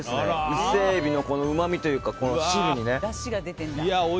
伊勢海老のうまみというかこの汁のね。